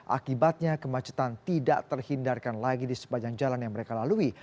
akibatnya kemacetan tidak terhindarkan lagi di sepanjang jalan yang mereka lalui